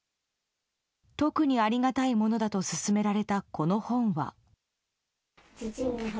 特に、ありがたいものだと勧められたこの本は。